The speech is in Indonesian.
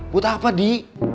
buat apa di